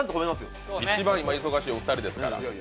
今、一番忙しいお二人ですから。